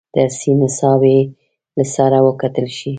درسي نصاب یې له سره وکتل شي.